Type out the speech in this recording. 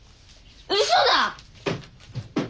うそだ！